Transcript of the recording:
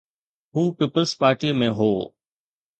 هو پيپلز پارٽيءَ ۾ هو.